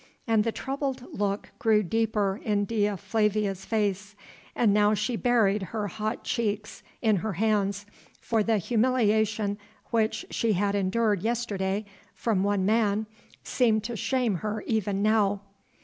And the troubled look grew deeper in Dea Flavia's face, and now she buried her hot cheeks in her hands, for the humiliation which she had endured yesterday from one man seemed to shame her even now.